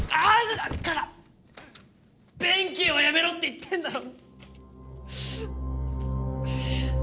だから弁慶はやめろって言ってんだろ！